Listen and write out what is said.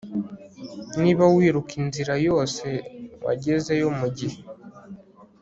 niba wiruka inzira yose, wagezeyo mugihe